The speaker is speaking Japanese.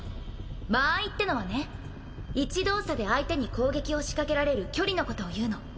間合いってのはね一動作で相手に攻撃を仕掛けられる距離のことを言うの